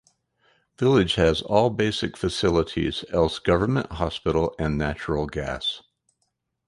Village has all basic facilities else government hospital and natural gas.